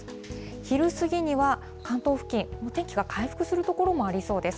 昼過ぎには関東付近、天気は回復する所もありそうです。